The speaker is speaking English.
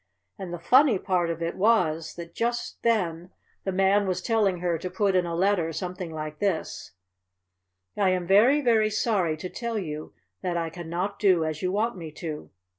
And the funny part of it was that just then the Man was telling her to put in a letter something like this: "I am very, very sorry to tell you that I can not do as you want me to."